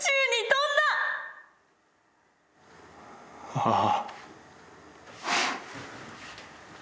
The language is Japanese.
ああ。